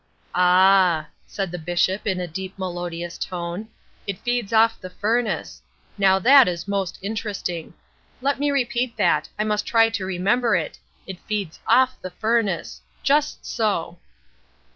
"'Ah,' said the Bishop in a deep melodious tone, 'it feeds off the furnace. Now that is most interesting. Let me repeat that; I must try to remember it; it feeds off the furnace. Just so.'